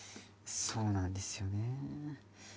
そうなんですよね。